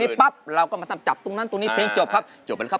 ฟังแล้วเรากำกัดตรงนั้นแล้วฟังจบ